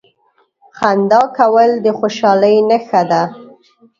• خندا کول د خوشالۍ نښه ده.